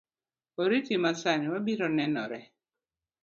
Oriti masani, wabiro nenore